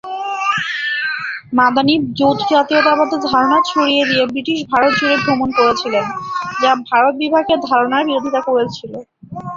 মাদানী যৌথ জাতীয়তাবাদের ধারণা ছড়িয়ে দিয়ে ব্রিটিশ ভারত জুড়ে ভ্রমণ করেছিলেন, যা ভারত বিভাগের ধারণার বিরোধিতা করেছিল।